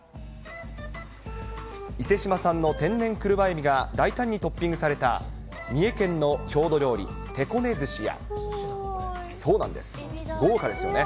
伊勢志摩産の天然車エビが大胆にトッピングされた三重県の郷土料理、てこね寿しや、そうなんです、豪華ですよね。